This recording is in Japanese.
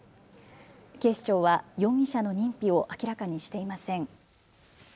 警視庁は容疑者の認否を明らかにしていません。